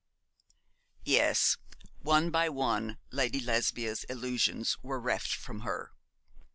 Yes, one by one, Lady Lesbia's illusions were reft from her.